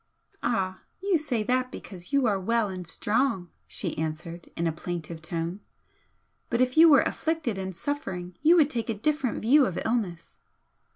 "Ah, you say that because you are well and strong," she answered, in a plaintive tone "But if you were afflicted and suffering you would take a different view of illness."